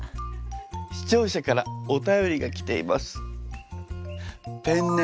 視聴者からお便りが来ています。